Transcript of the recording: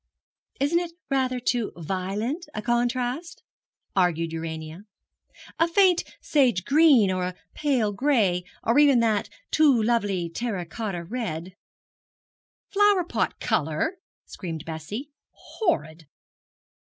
'Isn't it rather too violent a contrast?' argued Urania. 'A faint sage green, or a pale gray or even that too lovely terra cotta red ' 'Flower pot colour!' screamed Bessie. 'Horrid!'